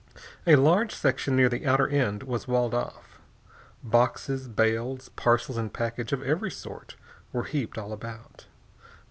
A large section near the outer end was walled off. Boxes, bales, parcels and packages of every sort were heaped all about.